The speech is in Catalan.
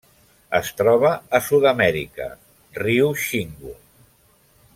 Es troba a Sud-amèrica: riu Xingu.